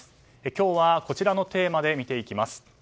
今日はこちらのテーマで見ていきます。